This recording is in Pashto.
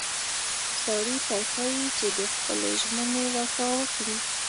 سړي ته ښایي چې د خپلې ژمنې وفا وکړي.